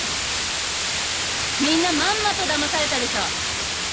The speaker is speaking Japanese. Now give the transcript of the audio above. みんなまんまとだまされたでしょ。